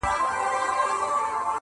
لوستونکی ژور فکر ته ځي تل-